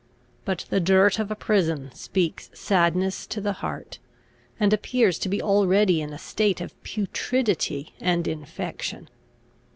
But the dirt of a prison speaks sadness to the heart, and appears to be already in a state of putridity and infection.